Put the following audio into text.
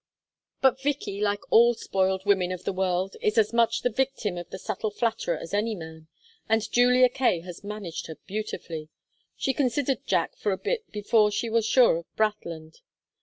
But Vicky, like all spoiled women of the world, is as much the victim of the subtle flatterer as any man, and Julia Kaye has managed her beautifully. She considered Jack for a bit before she was sure of Brathland.